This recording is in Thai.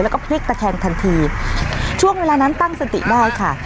แล้วก็พลิกตะแคงทันทีช่วงเวลานั้นตั้งสติได้ค่ะ